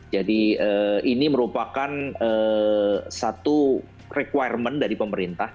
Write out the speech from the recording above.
jadi ini merupakan satu requirement dari pemerintah